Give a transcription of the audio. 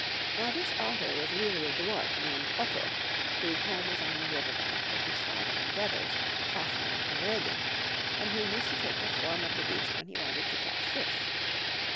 Now this otter was really a dwarf named Ottur, whose home was on the river bank, with his father and brothers, Fafner and Reginn, and who used to take the form pi the beast when he wanted to catch fish.